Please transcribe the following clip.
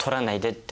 って。